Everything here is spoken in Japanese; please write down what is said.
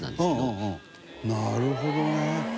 伊達：なるほどね。